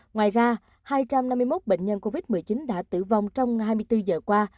ngoài ra hai trăm năm mươi một bệnh nhân covid một mươi chín đã tử vong trong hai mươi bốn giờ qua